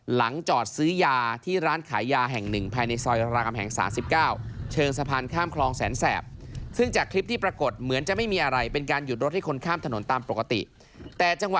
หลังจอดซื้อยาที่ร้านขายยาแห่งหนึ่งภายในซอยราคมแห่ง๓๙